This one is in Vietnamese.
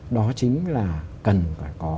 đó chính là cần phải có